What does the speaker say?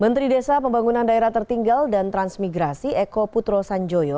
menteri desa pembangunan daerah tertinggal dan transmigrasi eko putro sanjoyo